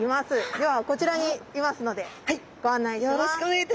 ではこちらにいますのでご案内します。